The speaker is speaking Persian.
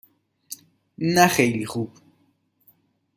نه خیلی خوب.